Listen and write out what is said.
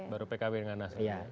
baru pkb dengan nasdam